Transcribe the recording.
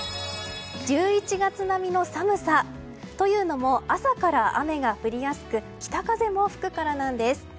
１１月並みの寒さ。というのも朝から雨が降りやすく北風も吹くからなんです。